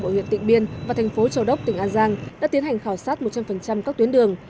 ở huyện tịnh biên và thành phố châu đốc tỉnh an giang đã tiến hành khảo sát một trăm linh các tuyến đường